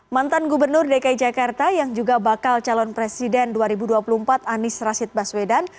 mantan gubernur dki jakarta yang juga bakal calon presiden dua ribu dua puluh empat anies rashid baswedan